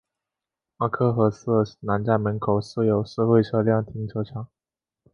阿克和瑟南站门口设有社会车辆停车场。